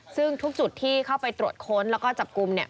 ซึ่งทุกจุดที่เข้าไปตรวจค้นแล้วก็จับกลุ่มเนี่ย